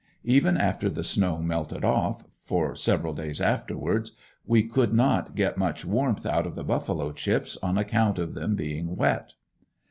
Even after the snow melted off, for several days afterwards, we couldn't get much warmth out of the buffalo chips, on account of them being wet.